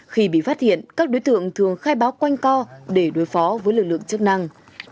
khi bị phát hiện các đối tượng thường khai báo quanh co để đối phó với lực lượng chức năng